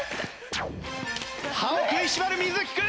歯を食いしばる瑞稀君！